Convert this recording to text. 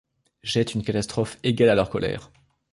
Jette une catastrophe égale à leur colère ;